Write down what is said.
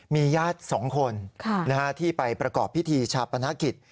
มีญาติ๒คนที่ไปประกอบพิธีชาปนกิจ